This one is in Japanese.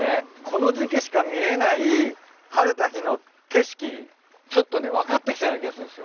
この時季しか見れない晴れた日の景色ちょっとね分かってきたような気がするんすよ。